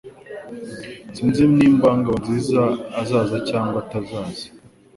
Sinzi niba Ngabonziza azaza cyangwa atazaza